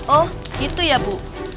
oh gitu ya bu